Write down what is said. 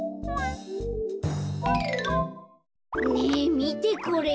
ねえみてこれ。